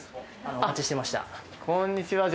お待ちしていました。